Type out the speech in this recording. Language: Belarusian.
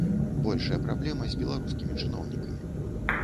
Большая праблема з беларускімі чыноўнікамі.